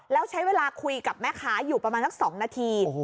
แล้วใช้เวลาคุยกับแม่ค้าอยู่ประมาณสัก๒นาที